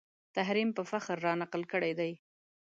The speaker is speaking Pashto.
تحریم په فخر رانقل کړی دی